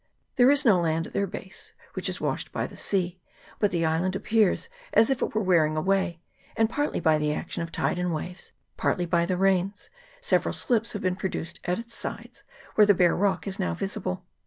There is no land at their base, which is washed by the sea, but the island appears as if it were wearing away ; and partly by the action of tide and waves, partly by the rains, several slips have been produced at its sides, where the bare rock is now visible.